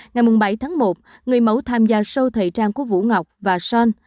ngày bảy tháng một người mẫu tham gia show thời trang của vũ ngọc và sean